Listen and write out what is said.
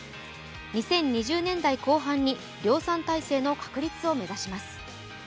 ２０２０年代後半に量産体制確立を目指します。